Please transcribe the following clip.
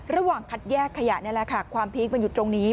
ระหว่างคัดแยกขยะนี่แหละค่ะความพีคมันอยู่ตรงนี้